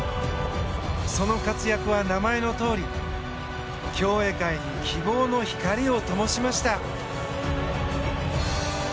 その活躍は、名前のとおり競泳界に希望の光を灯しました。